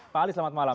pak ali selamat malam